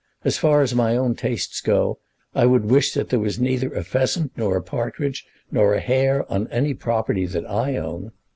As far as my own tastes go, I would wish that there was neither a pheasant nor a partridge nor a hare on any property that I own.